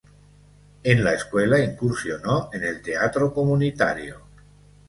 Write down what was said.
En la escuela incursionó en el teatro comunitario.